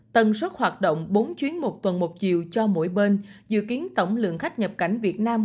tần suất hoạt động bốn chuyến một tuần một chiều cho mỗi bên dự kiến tổng lượng khách nhập cảnh việt nam